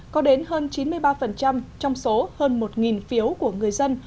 có đến hơn chín mươi ba trong số hơn một phiếu của người dân